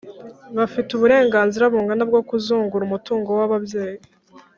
bafite uburenganzira bungana bwo kuzungura umutungo w'ababyeyi